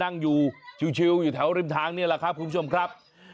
นั่งอยู่ชิวอยู่แถวริมทางนี่แหละครับคุณผู้ชมครับ